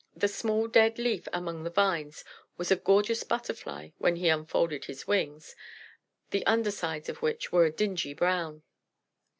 The small dead leaf among the vines was a gorgeous Butterfly when he unfolded his wings, the under sides of which were a dingy brown.